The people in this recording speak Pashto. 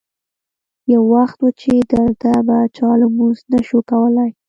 یو وخت و چې دلته به چا لمونځ نه شو کولی.